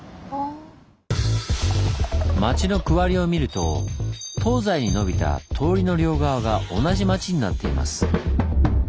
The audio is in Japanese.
町の区割りを見ると東西にのびた通りの両側が同じ町になっています。